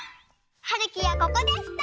はるきはここでした。